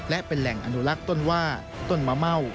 และเป็นแหล่งอนุลักษ์ต้นว่าต้นมะเม่า